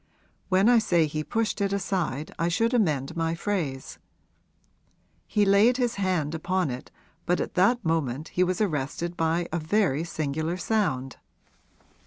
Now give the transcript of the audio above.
When I say he pushed it aside I should amend my phrase; he laid his hand upon it, but at that moment he was arrested by a very singular sound.